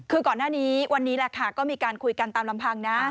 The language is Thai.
คือก่อนหน้านี้วันนี้แหละค่ะก็มีการคุยกันตามลำพังนะ